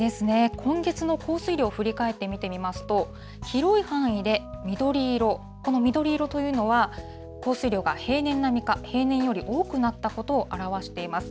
今月の降水量、振り返って見てみますと、広い範囲で緑色、この緑色というのは、降水量が平年並みか、平年より多くなったことを表しています。